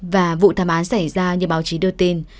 và vụ thảm án xảy ra như báo chí đưa tin